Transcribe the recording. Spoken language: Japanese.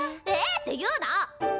「え」って言うな！